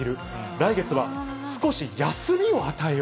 来月は少し休みを与えよ。